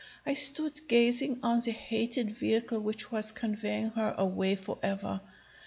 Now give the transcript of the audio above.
I stood gazing on the hated vehicle which was conveying her away forever.